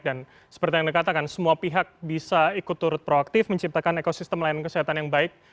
dan seperti yang dikatakan semua pihak bisa ikut turut proaktif menciptakan ekosistem pelayanan kesehatan yang baik